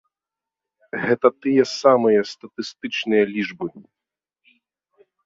Гэта тыя самыя статыстычныя лічбы!